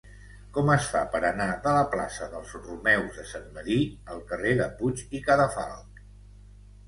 Com es fa per anar de la plaça dels Romeus de Sant Medir al carrer de Puig i Cadafalch?